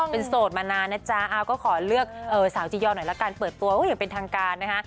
เป็นโสดมานานนะจ๊ะก็ขอเลือกสาวจียอหน่อยละกันเปิดตัวอย่างเป็นทางการนะคะ